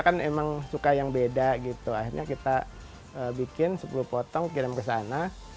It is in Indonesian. kan emang suka yang beda gitu akhirnya kita bikin sepuluh potong kirim ke sana